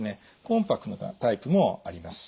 コンパクトなタイプもあります。